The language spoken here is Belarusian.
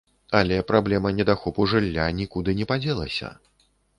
Але праблема недахопу жылля нікуды не падзелася.